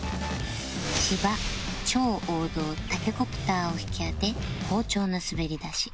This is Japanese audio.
芝超王道タケコプターを引き当て好調な滑りだし